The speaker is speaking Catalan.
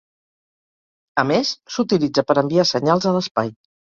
A més, s'utilitza per enviar senyals a l'espai.